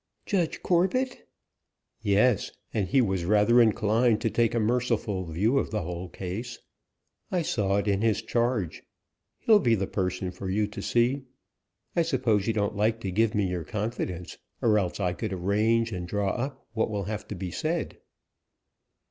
"Judge Corbet?" "Yes; and he was rather inclined to take a merciful view of the whole case. I saw it in his charge. He'll be the person for you to see. I suppose you don't like to give me your confidence, or else I could arrange and draw up what will have to be said?"